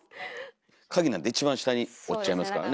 カギなんて一番下に落ちちゃいますからね。